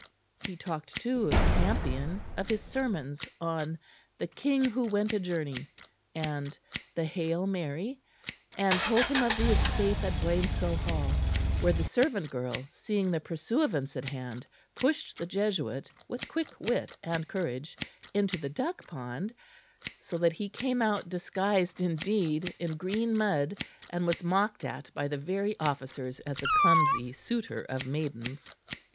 '" He talked, too, of Campion, of his sermons on "The King who went a journey," and the "Hail, Mary"; and told him of the escape at Blainscow Hall, where the servant girl, seeing the pursuivants at hand, pushed the Jesuit, with quick wit and courage, into the duck pond, so that he came out disguised indeed in green mud and was mocked at by the very officers as a clumsy suitor of maidens.